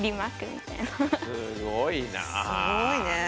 すごいなあ。